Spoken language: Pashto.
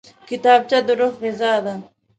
کتابچه د روح غذا ده